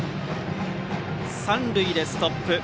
三塁でストップ。